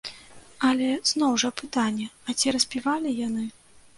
Але зноў жа пытанне, а ці распівалі яны?